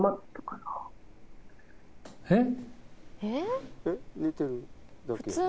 えっ？